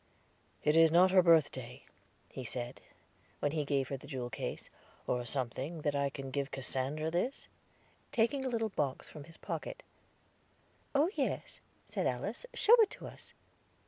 "Is it not her birthday," he said, when he gave her the jewel case, "or something, that I can give Cassandra this?" taking a little box from his pocket. "Oh yes," said Alice; "show it to us."